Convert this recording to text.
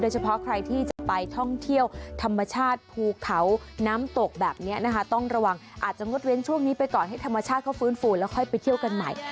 เฉพาะใครที่จะไปท่องเที่ยวธรรมชาติภูเขาน้ำตกแบบนี้นะคะต้องระวังอาจจะงดเว้นช่วงนี้ไปก่อนให้ธรรมชาติเขาฟื้นฟูแล้วค่อยไปเที่ยวกันใหม่